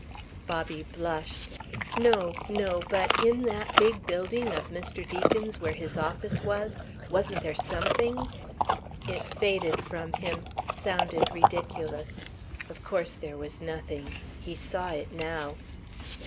Bobby blushed. No, no, but in that big building of Mr. Deacon's where his office was, wasn't there something ... It faded from him, sounded ridiculous. Of course there was nothing. He saw it now.